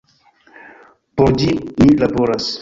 Por ĝi ni laboras.